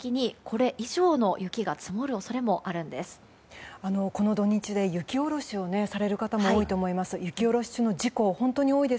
この土日で雪下ろしをされる方も多いと思います。